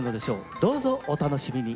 どうぞお楽しみに。